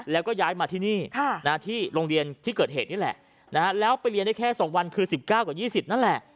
แล้วก็ย้ายมาที่นี่ที่โรงเรียนที่เกิดเหตุนี่แหละแล้วไปเรียนได้แค่๒วันคือ๑๙กับ๒๐นั่นแหละ